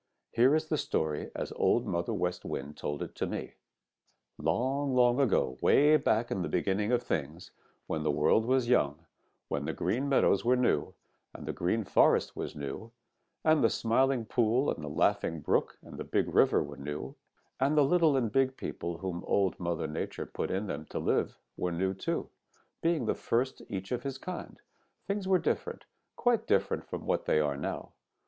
Here is the story as Old Mother West Wind told it to me: "Long, long ago, way back in the beginning of things, when the world was young, when the Green Meadows were new, and the Green Forest was new, and the Smiling Pool and the Laughing Brook and the Big River were new, and the little and big people whom Old Mother Nature put in them to live were new too, being the very first each of his kind, things were different, quite different from what they are now.